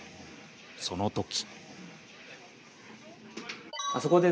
そのとき。